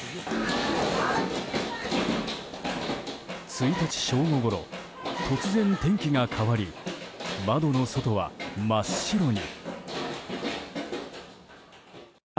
１日正午ごろ突然、天気が変わり窓の外は真っ白に。